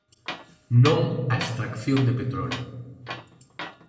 Non á extracción de petróleo".